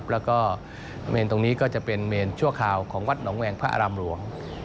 และเมรินที่นี่ก็เป็นเมรินชั่วคราวของวัดหนองแหวงพระอารำหลวง